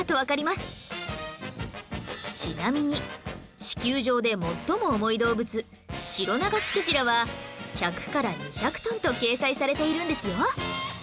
ちなみに地球上で最も重い動物シロナガスクジラは１００から２００トンと掲載されているんですよ